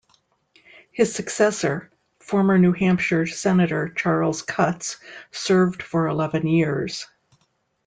His successor, former New Hampshire Senator Charles Cutts, served for eleven years.